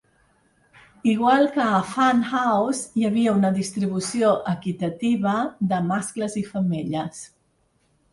Igual que a "Fun House", hi havia una distribució equitativa de mascles i femelles.